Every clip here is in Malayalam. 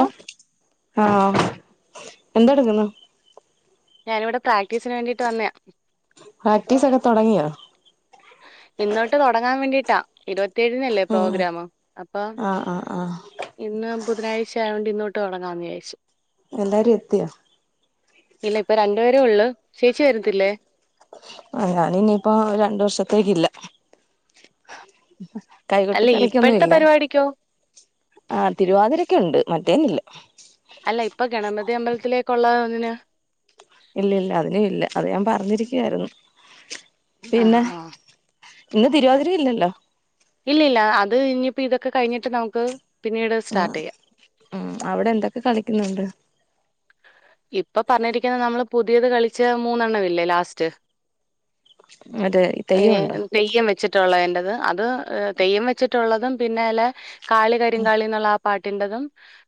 ഹലോ ങാ എന്തൊടുക്കുന്നു ഞാനിവിടെ പ്രാക്ടീസിന് വേണ്ടീട്ട് വന്നായ പ്രാക്ടീസൊക്കെ തൊടങ്ങിയോ? ഇന്ന് തൊട്ട് തുടങ്ങാൻ വേണ്ടിട്ടാ. ഇരുപത്ത് ത്തേയ്നല്ലേ ഉം പ്രോഗ്രാമ്. അപ്പൊ ആഹ് ആഹ് ആഹ് ഇന്ന് ബുധനാഴ്ച ആയോണ്ട് ഇന്ന് തൊട്ട് തൊടങ്ങാന്ന് വിചാരിച്ചു. എല്ലാരും എത്തിയോ? ഇല്ല. ഇപ്പ രണ്ടുപേരെയുള്ളു. ചേച്ചി വരത്തില്ലേ? ങ ഞാനിനിയിപ്പോ ഒരു രണ്ടു വർഷത്തേക്കില്ല. കൈകൊട്ടി അല്ല കളിക്കൊന്നു ഇപ്പോഴത്തെ ഇല്ല. പരിപാടിക്കോ ആ തിരുവാതിരക്കുണ്ട് മറ്റേന്നില്ല. [inaudible] അല്ല ഇപ്പ ഗണപതി അമ്പലത്തിലേയ്ക്കൊള്ളയതിന് ഇല്ല ഇല്ല അതിനുമില്ല. അത് ഞാൻ പറഞ്ഞിരിക്കുവായിരുന്നു. ആ പിന്നെ ആ ഇന്ന് തിരുവാതിര ഇല്ലല്ലോ? ഇല്ലില്ല അത് ഇനി ഇപ്പൊ ഇതൊക്കെ കഴിഞ്ഞിട്ട് നമുക്ക്- പിന്നീട് സ്റ്റാർട്ട് ആഹ് ചെയ്യാം ആഹ് അവിടെ എന്തൊക്കെ കളിക്കുന്നുണ്ട്. ഇപ്പൊ പറഞ്ഞിരിക്കുന്നത് നമ്മള് പുതിയത് കളിച്ച മൂന്നെണ്ണമില്ലേ ലാസ്റ്റ് അതെ തെയ്യം ഉണ്ടോ റ്റുള്ളേതിന്റെത് അത് തെയ്യം വെച്ചിട്ടുള്ളതും പിന്നെലെ കാളി കരിം കാളിന്നുള്ള ആ പാട്ടിന്റതും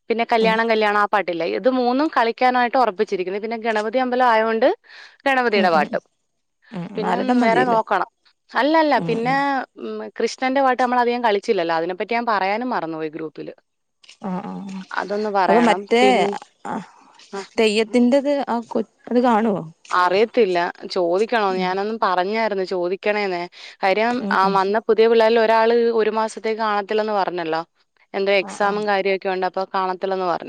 പിന്നെ ഉം കല്യാണം കല്യാണം ആ പാട്ടില്ലേ ഇത് മൂന്നും കളി ക്കാനായിട്ട് ഉറപ്പിച്ചിരിക്കുന്നത് പിന്നെ ഗണപതി അമ്പലം ആയോണ്ട് ഉം ഗണപതിയുടെ ഉം പാട്ടും ഉം പിന്നെ നാലെണ്ണം വേറെ മതിയല്ലേ നോക്കണം അല്ലല്ല ഉം ഉം പിന്നെ ഉം കൃഷ്ണന്റെ പാട്ട് നമ്മള് അധികം കളിച്ചില്ലല്ലോ അതിനെ പറ്റി ഞാൻ പറയാനും മറന്നു പോയി ഗ്രൂപ്പില് ആഹ് ആഹ് ആഹ് അതൊന്ന് അപ്പൊ പറയണം മറ്റേ പിൻ ആ തെയ്യത്തിന്റത് ആ കൊ അത് കാണുവോ അറിയത്തില്ല ചോദിക്കണോ ഞാനൊന്നും പറഞ്ഞായിരുന്നു ചോദിക്കണേന്നെ കാര്യം ഉം ഉം വന്ന പുതിയ പിള്ളേരിൽ ഒരാ ഒരാള് ഒരു മാസത്തേക്ക് കാണത്തില്ലന്ന് പറഞ്ഞല്ലോ എന്റെ ആഹ് എക്സാമും ആഹ് കാര്യയൊക്കെ ഉണ്ട് അപ്പോ കാണത്തില്ലന്നു പറ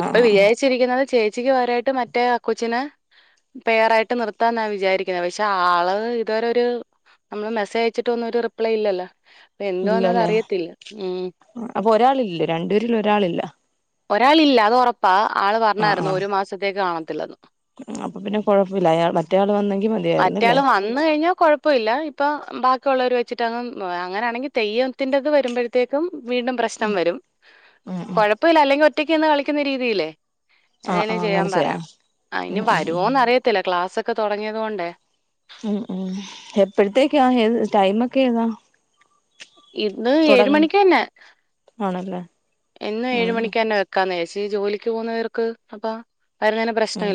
ആഹ് ആഹ് ആഹ് വിയാരിച്ചിരിക്ക്ന്നത് ചേ ഉച്ചയ്ക്ക് വരായിട്ട് മറ്റേ ആ കൊച്ചിന് പെയറായിട്ട് നിർത്താന്നാ വിചാരിക്ക്ന്നെ പക്ഷെ ആള് ഇതുവരെ ഒരു നമ്മള് മെസ്സേജ് അയച്ചിട്ടൊന്നും ഒരു റിപ്ലൈയില്ലല്ലോ ഇല്ലല്ലെ അപ്പൊ ഒരാളില്ലേ രണ്ടുപേരിൽ ഒരാളില്ല ഒരാളില്ല അത് ഒറപ്പാ ആള് ആഹ് പറ്ണായിരുന്നു ആഹ് ഒരു മാസത്തേക്ക് കാണ ത്തില്ലന്ന് അപ്പൊ പിന്നെ കൊഴപ്പയില്ല അയാൾ മറ്റേയാൾ വന്നെങ്കി മതിയായിരുന്ന് ഇല്ലെ ഇപ്പം ഉം ബാക്കിയുള്ളവര് വെച്ചിട്ടങ്ങും ബ് ഏ അങ്ങനാണെങ്കി തെയ്യംത്തിൻ്റത് വരുമ്പഴത്തേക്കും വീണ്ടും പ്രശ്നം വരും ഉം ഉം കൊഴ ഈ ഒറ്റയ്ക്ക്ന്ന് കളിക്കിന്ന രീതിയില്ലേ ആഹ് [unintelligible] ആഹ് ചെയ്യാ അങ്ങനെ പറയാം ചെയ്യാം ഉം അയിന് ഉം വരുവോന്ന് അറിയത്തില്ല ക്ലാസ് ക്കെ തുടങ്ങിയത് കൊണ്ടേ ഉം ഉം എപ്പഴത്തേക്കാ ഏത് ടൈമക്കെ ഏതാ ഇന്ന് ഏഴ് തുടങ്ങും മണിക്ക് തന്നെ ആണല്ലേ ഇന്ന് ഏഴ് ഉം മണിക്ക തന്നെ വെക്കാന്ന ഷേ ഈ ജോലിക്ക് പോകുന്നവർക്ക് അപ്പ ഉം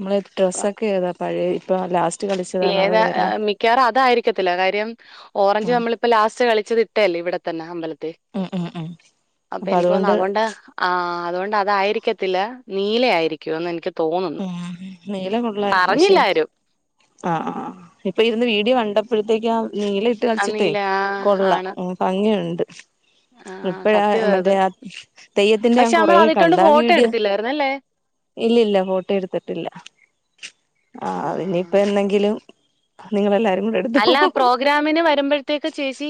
മ്മള് ഡ്രസ്സൊക്കെ ഏതാ പഴേ ഇപ്പ ലാസ് ഏത് മിക്കാറും അതായിരിക്കത്തില്ല കാര്യം ഓറഞ്ച് ഉം നമ്മളിപ്പോ ലാസ്റ്റ് കളിച്ചത് ട്ടേല്ലെ ഇവിടെ തന്നെ അമ്പല ഉം ഉം ഉം അപ്പൊ എനിക്ക് തോന്ന് അതൊണ്ടാ ആ അതുകൊണ്ട് അതായിരിക്കത്തില്ല നീല ആയിരിക്കുവെന്ന് എനിക്ക് തോന്നുന്നു ഉം പറഞ്ഞില്ല ആരും ആ ആ ഇപ്പൊ ഇരുന്ന് വീഡിയോ കണ്ടപ്പോഴത്തേക്ക നീല ഇട്ട് ആ കളിച്ചിട്ടേ നീല ആ ആണ് കൊള്ളാം ഭംഗിയു ബഞ് ആ ഇപ്പഴാ സത്യമാ അത് നമ്മൾടെയാ തെയ്യത്തിന്റെ ഞാൻ പക്ഷെ നമ്മൾ കൊറേ അതിട്ടോണ്ട് കണ്ട് ആ ഫോട്ടോ വീഡിയോ എടുത്തില്ലായിരുന്നല്ലേ ഇല്ലില്ല ഫോ എട്ത്തില്ല ആ അതിനിപ്പെന്നെങ്കിലും നിങ്ങളെല്ലാരും കൂടെ എടുത്തോ അല്ല പ്രോഗ്രാമിന് വരുമ്പോഴ്ത്തേക്ക് ചേച്ചി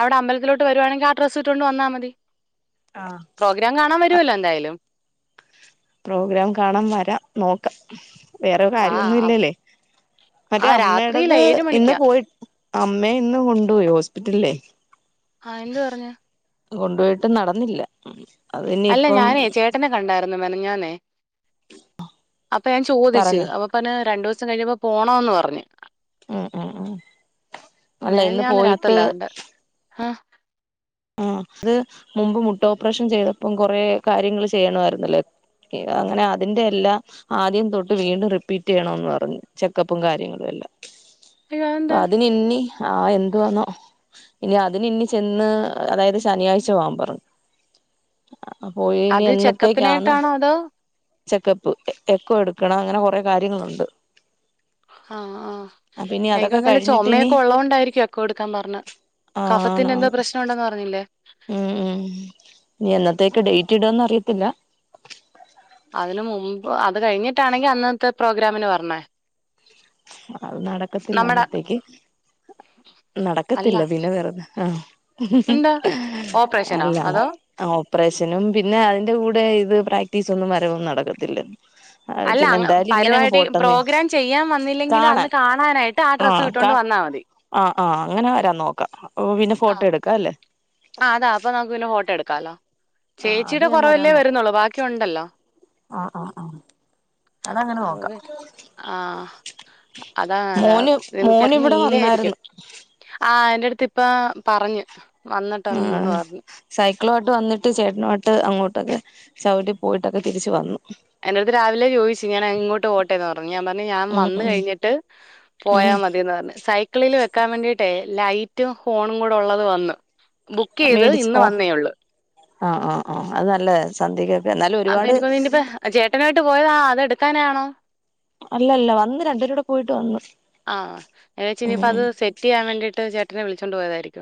അവിടെ അമ്പലത്തിലോട്ട് വരുവാണെങ്കി ആ ഡ്രസ് ഇട്ടാേണ്ട് വന്നാ മതി പ്രോഗ്രാം കാണാൻ വരുവല്ലോ എന്തായാലും പ്രോഗ്രാം കാണാം വരാം നോക്കാം വേറൊ വാ കാര്യൊന്നും ഇല്ലല്ലേ മറ്റേ ആ രാത്രിയിലാ അമ്മേടത് ഏഴ് ഇന്ന് മണിക്കാ പോയി അമ്മെ ഇന്ന് കൊണ്ടുപോയി ഹോ റ്റ്ല്ലേ ആ എന്ത് പറഞ്ഞ് കൊണ്ടുപോയിട്ട് നടന്നില്ല അത് ഇനി അല്ല ഇപ്പം ഞാനേ ചേട്ടനെ കണ്ടായിര്ന്നു മെന ഞ്ഞാന്നെ അപ്പൊ ഞാൻ ചോദിച്ച് പറഞ്ഞ അപ്പപ്പന്ന രണ്ടുസ് സം കഴിയുമ്പോ പോണോന്ന് പറഞ്ഞ് ഉം ഉം ഉം അല്ല ഇന്ന് മെനഞ്ഞാന്ന് പോയിട്ട് രാത്രിയിലാ കണ്ടേ ആ ആ ത് മുമ്പ് മുട്ടോപ്പറേഷൻ ചെയ്തപ്പം കൊറേ കാര്യങ്ങള് ചെയ്യണമായിരുന്നില്ലേ അങ്ങനെ അതിന്റെ എല്ലാം ആദ്യം തൊട്ട് വീണ്ടും റിപ്പീറ്റ് ചെയ്യണംന്ന് പറഞ്ഞു ചെക്കപ്പും കാര്യങ്ങളും എല്ലാം അയ്യോ പ്പ അതെന്താ അതിന് ന്നി ആഹ എന്തവാണോ ഇനി അതി ഇനി ചെന്ന് അതായത് ശനിയാഴ്ച പോകാൻപറ അത് ചെക്കപ്പിനായിട്ടാണോ അതോ ചെക്കപ്പ് എക്കോ എടുക്കണം അങ്ങനെ കൊറെ കാര്യങ്ങളുണ്ട് ആ ആ അപ്പൊ ഇനി എനിക്ക് അതൊക്കെ തോന്നുന്നു വല്ല കഴിഞ്ഞിട്ട് ഇനി ചൊമയൊക്കെ ഒള്ള കൊണ്ടായിരിക്കും എക്കോ എടുക്കാൻ പറഞ്ഞ കഫത്തിൻ്റെ എന്തോ ആണാണ് പ്രശ്നം ഒണ്ടെന്ന് പറഞ്ഞില്ലേ ഉം ഉം ഇനി എന്നത്തേക്ക് ഡേറ്റ് റ്റിടുവെന്ന് അറിയത്തില്ല അതിന് മുമ്പ് അത് കഴിഞ്ഞിട്ടാണെങ്കി അന്നത്തെ പ്രോഗ്രാമിന് വരണേ അത് നടക്കത്തില്ല അന്നത്തേക്ക് അല്ല നടക്കത്തില്ല പിന്നെ വെറുതെ ആ എന്താ ഓപ്പറേഷനോ അല്ല അതോ ആ ഓപ്രേഷനും പിന്നെ അതിന്റെ കൂടെ ഇത് പ്രാക്ടീസ് ഒന്നും വരവും നടക്കത്തില്ല അത് അല്ല പിന്നെ അങ്ങ് എന്തായാലും ഇങ്ങനെ അങ്ങ് പരിപാടി പോട്ടെന്ന് പ്രോഗ്രാം ചെയ്യാൻ വന്നില്ലെങ്കിലും അന്ന് കാണാൻ കാണാനായിട്ട് ആ ഡ്രസ്സ് കാ ഇട്ടോണ്ട് വന്നാ മതി ആ ആ അങ്ങനെ വരാൻ നോക്കാ പിന്നെ അപ്പൊ പിന്നെ ഫോട്ടോ എടുക്കാ അല്ലെ ആ അതാ അപ്പൊ നമുക്ക് പിന്നെ ഫോട്ടോ എടുക്കാലോ ആഹ് അത് ചേച്ചിയുടെ ഞാൻ വരാൻ കൊറവല്ലേ നോ വരുന്നുള്ളൂ ബാക്കി ഒണ്ടല്ലോ ആഹ് ആഹ് ആഹ് അതങ്ങനെ നോക്കാം ആ അതാ അല്ല മോന് എനിക്ക് മോന് അന്ന് ഇവിടെ ഇല്ലായിരിക്കും വന്നായിരുന്നു ആ എന്റടുത്ത് ഇപ്പ പറഞ്ഞു വന്നിട്ട്ണ്ടന്ന് പറഞ്ഞ് ക്കിളുവായിട്ട് വന്നിട്ട് ചേട്ടനുവായിട്ട് അങ്ങോട്ടൊക്കെ ചവുട്ടി പോയിട്ടൊക്കെ തിരിച്ചു വന്നു എന്റെടുത്ത് രാവിലെ ചോയിച്ചു ഞാൻ ഇങ്ങോട്ട് പോട്ടെന്ന് പറഞ്ഞു ഞാൻ പറഞ്ഞു ഞാൻ ഉം വന്ന് ഉം കഴിഞ്ഞിട്ട് ഉം പോയാ മതിന്ന് പറഞ്ഞു സൈക്കിളില് വെക്കാൻ വേണ്ടിട്ടേ ലൈറ്റും ഹോണും കൂടെ ഒള്ളത് വന്ന് ബുക്ക് ചെയ്ത് ഇന്ന് വന്നേയൊള്ള് ആ ആ ആ അത് നല്ല കാര്യം സന്ധ്യയ്ക്ക് അപ്പൊ എനിക്കോന്നി ഇനി ഇപ്പ ചേട്ടനുവായിട്ട് പോയതാ അതെടു എടുക്കാനാണോ അല്ല അല്ല വന്ന് രണ്ടേരൂടെ പോയിട്ട് വന്ന് ആഹ് ഞാൻ വിചാരിച്ചു ഇനിയിപ്പ അത് ഉം സെറ്റ് ചെയ്യാൻ വേണ്ടിട്ട് ചേട്ടനെ വിളിച്ചോണ്ട് പോയതായിരിക്കും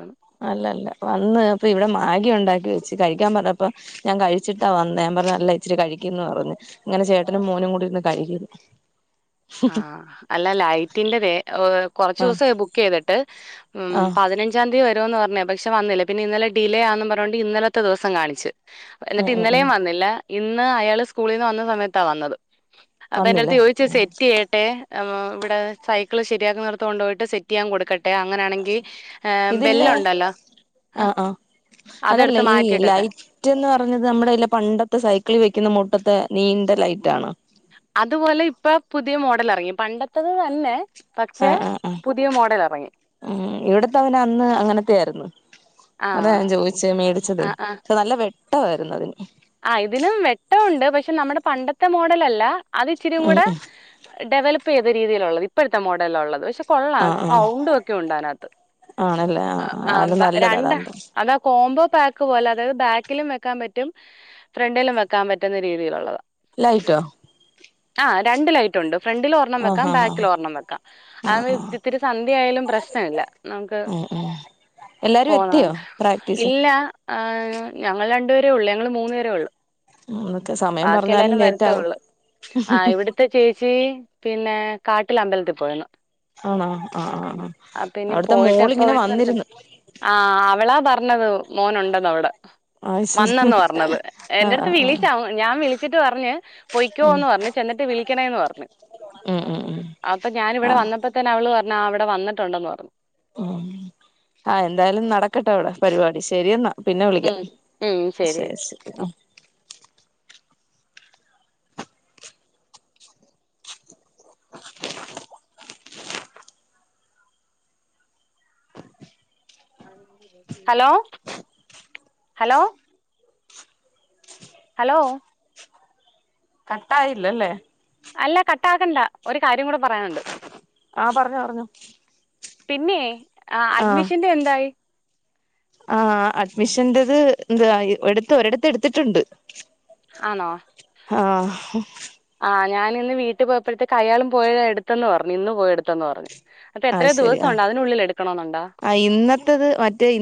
അല്ല അല്ല വന്ന് അപ്പൊ ഇവിടെ മാഗി ഉണ്ടാക്കി വെച്ച് കഴി ക്കാൻ പറഞ്ഞപ്പൊ ഞാൻ കഴിച്ചിട്ടാ വന്നെ ഞാൻ പറഞ്ഞ് നല്ല ഇച്ചിരി കഴിക്കെന്ന് പറഞ്ഞു ഇങ്ങനെ ചേട്ടനും മോനും കൂടിരിന്ന് കഴിക്കുന്നു ആ അല്ല ലൈറ്റിൻ്റതേ കൊറച്ച് ആഹ് ദിവസായി ബുക്ക് ചെയ്തിട്ട് ഉം ആഹ് പതിനഞ്ചാം തീയതി വരും ന്ന് പറഞ്ഞ പക്ഷെ വന്നില്ല പിന്നെ ഇന്നലെ ഡിലേ ആന്നും പറഞ്ഞോണ്ട് ഇന്നലത്തെ ദിവസം കാണിച്ച് എന്നിട്ട് ഏഹ് ഏഹ് ഇന്നലെയും ഏഹ് വന്നില്ല ഇന്ന് അയാള് സ്കൂളീന്ന് വന്ന സമയത്താ വന്നത് അപ്പൊ വന്നില്ലേ എൻ്റടുത്ത് ചോദിച്ച് ആ സ കട്ടെ വ്ടെ സൈക്കിള് ശെരിയാക്കുന്നോടത്ത് കൊണ്ടു പോയിട്ട് സെറ്റ് ചെയ്യാൻ കൊടുക്ക ഇതില്ലേ ആ ആഹ് ആ അതല്ലേ അതെടുത്ത് ഈ മാറ്റിയിട്ട് വെക്കാൻ ലൈറ്റ്ന്ന് പറഞ്ഞത് നമ്മുടെ ഇല്ല പണ്ടത്തെ സൈക്കിളി വെക്ക്ന്ന മുട്ടത്തെ നീന്ത ലൈറ്റ് ആണ് അതുപോലെ ഇപ്പൊ പുതിയ മോഡൽ ഇറങ്ങി പണ്ടത്തത് തന്നെ ആ പക്ഷെ ആ ആ പുതിയ മോഡൽ ഇറങ്ങി മ് ഇവിത്തതിന് അന്ന് അങ്ങനത്തെയയിരുന്നു അതാ ആഹ് ഞാൻ ചോയിചെ മേടിച്ചതെ നല്ല വെട്ടമായിരുന്നു ആ ഇതിനും വെട്ടമുണ്ട് പക്ഷെ നമ്മുടെ പണ്ടത്തെ മോഡലല്ല അത് ഇച്ചിരി ഉം കൂടെ ഉം ഡെവ [unintelligible] രീതിയിലുള്ളത് ഇപ്പോഴത്തെ മോഡലള്ളത് പ കൊള്ള ആഹ് ആഹ് സൗണ്ട ഒക്കെ ണ്ടനകത്ത് ആണല്ലേ ആഹ് ആ ആഹ് അത് നല്ലതാ രണ്ട അതാവുമ്പോ അതാ കോമ്പോ- പാക്ക് പോലെ അതായത് ബാക്കിലും വെക്കാൻ പറ്റും ഫ്രണ്ടിലും വെക്കാൻ പറ്റുന്ന രീതിയിലുള്ളത് ലൈറ്റോ. ആ രണ്ട് ലൈറ്റുണ്ട് ഫ്രണ്ടിൽ ഒരെണ്ണം വെക്ക ആഹ് ആഹ് ബാക്കിലും ഒരെണ്ണം വെക്കാം ആഹ് ആഹ് അതാ ആഹ് ഇത്തിരി സന്ധ്യ ആയാലും പ്രശ്നം ഇല്ല നമ്മക്ക് ഉം ഉം എല്ലാരും പോണ എത്തിയോ പ്രാക്ടീസിന് ഇല്ല നമ്മള് രണ്ടു പേ [unintelligible] ഉള്ള ഞ മൂന്ന് പേരെ ഉള്ളു ഉം ഒക്കെ സമയം പറഞ്ഞാലും ബാക്കിയെല്ലാരും ലേറ്റ് ആകും വരത്തേള്ളു ആ ഇവിടത്തെ ചേച്ചി പിന്നെ കാട്ടില അമ്പലത്തിൽ പോയിന്നു ആണോ ആ ആ ആ അപ്പന്ന അവിടുത്തെ പോയിട്ട് എപ്പ മോളിങ്ങനെ വരുന്ന [unintelligible] വന്നിരുന്നു ആ അവളാ പറ പറഞ്ഞത് മോനുണ്ടെന്നോ വ്ടെ ആ ശരി ന്നത് ആ എൻറെ ആ അടുത്ത് ആ വിളി ഞാൻ വിളിച്ചിട്ട് പറഞ് ഉം പൊയ്ക്കോന്ന് പറഞ്ഞ് ചെന്നിട്ട് വിളിക്കണന്ന് പറഞ്ഞ് ഉം ഉം ഉം അപ്പൊ ഞാൻ ആ വ്ടെ വന്നപ്പോെ അവ പറഞ്ഞ അവിടെ വന്നട്ടുണ്ടന്ന് പറഞ്ഞ് ഉം ആ എന്തായാലും നടക്കട്ടെ അവിടെ പരിപാടി ശരി എന്നാ പിന്നെ വിളിക്കാം ഉം ഉം ശരി ചേച്ചി ശരി ഉം ഹലോ ഹലോ ഹലോ കട്ടായില്ലല്ലേ അല്ല കട്ടാക്കണ്ട ഒരു കാര്യം കൂടെ പറയാന്ണ്ട് ആ പറഞ്ഞോ റഞ്ഞോ പിന്നെ ആ അഡ്മിഷന്റെ എന്തായി ആ അഡ്മിഷന്റെ ത് ന്താ എട്ത്ത് ഒരിടത്ത് എടുത്തിട്ടുണ്ട് ആണോ ആ ആ ഞാൻ ഇന്ന് വീട്ടിൽ പോയപ്പോഴത്തെ അയാളും പോയ എടുത്തന്ന് പറഞ്ഞു ഇന്ന് പോയടുത്തന്ന് പറഞ്ഞ്. ആ ശരി ആ ആ ഇന്നത്തത് മറ്റേ ഇ